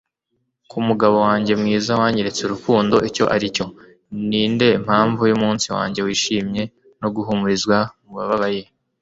ku mugabo wanjye mwiza wanyeretse urukundo icyo aricyo. ninde mpanvu yumunsi wanjye wishimye no guhumurizwa mubababaye